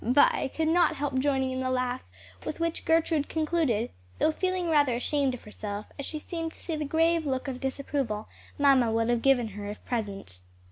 Vi could not help joining in the laugh with which Gertrude concluded, though feeling rather ashamed of herself, as she seemed to see the grave look of disapproval mamma would have given her if present.